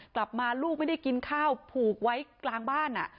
กลับมาลูกไม่ได้กินข้าวผูกไว้กลางบ้าน